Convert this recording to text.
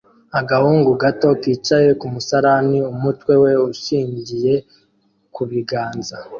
Agahungu gato kicaye ku musarani umutwe we ushingiye ku biganza